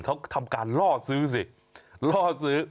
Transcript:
เขาทำการล่อซื้อสิล่อซื้อ